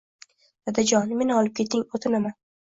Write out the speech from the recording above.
Dadajon, meni olib keting, o`tinaman